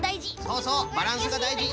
そうそうバランスがだいじ。